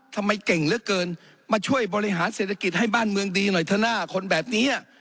ทำไมเก่งเหลือเกินมาช่วยบริหารเศรษฐกิจให้บ้านเมืองดีหน่อยเถอะหน้าคนแบบนี้